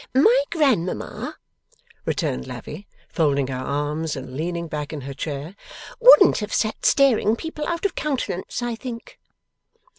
'My grandmamma,' returned Lavvy, folding her arms and leaning back in her chair, 'wouldn't have sat staring people out of countenance, I think.